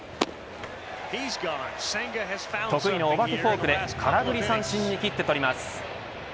得意のお化けフォークで空振り三振に斬って取ります。